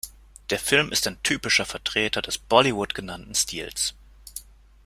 Der Film ist ein typischer Vertreter des Bollywood genannten Stils.